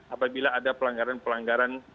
apabila ada pelanggaran pelanggaran